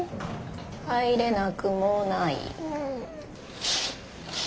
入れなくもない。